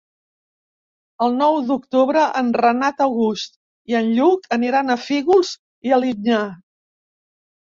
El nou d'octubre en Renat August i en Lluc aniran a Fígols i Alinyà.